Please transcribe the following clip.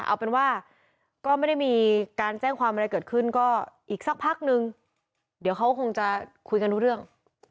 เอาเป็นว่าก็ไม่ได้มีการแจ้งความอะไรเกิดขึ้นก็อีกสักพักนึงเดี๋ยวเขาคงจะคุยกันรู้เรื่อง